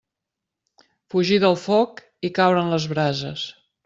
Fugir del foc i caure en les brases.